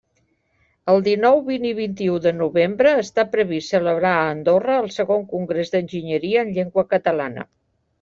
El dinou, vint i vint-i-u de novembre està previst celebrar a Andorra el Segon Congrés d'Enginyeria en Llengua Catalana.